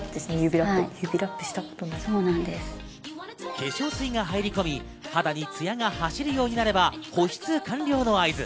化粧水が入り込み、肌にツヤが走るようになれば保湿完了の合図。